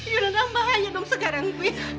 yuna dah bahaya dong sekarang wih